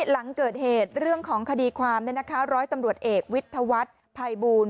หลังเกิดเหตุเรื่องของคดีความร้อยตำรวจเอกวิทยาวัฒน์ภัยบูล